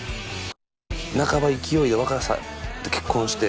半ば勢いで若さで結婚して。